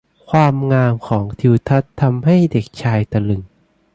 ความงามของทิวทัศน์ทำให้เด็กชายตะลึง